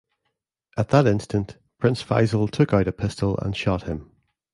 At that instant, Prince Faisal took out a pistol and shot him.